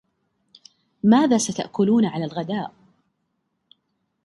ماذا ستأكلون على الغداء؟